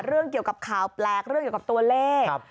เรื่องเกี่ยวกับข่าวแปลกเรื่องเกี่ยวกับตัวเลข